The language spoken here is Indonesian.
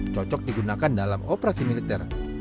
cocok digunakan dalam operasi militer